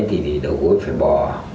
nên thì đầu gối phải bò